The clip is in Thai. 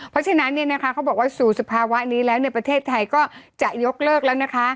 เพราะฉะนั้นเขาบอกว่าสู่สภาวะนี้แล้วในประเทศไทยก็จะยกเลิกแล้วนะคะ